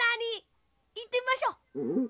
いってみましょう。ね！